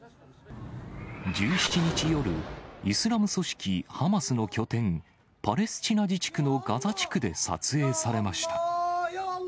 １７日夜、イスラム組織ハマスの拠点、パレスチナ自治区のガザ地区で撮影されました。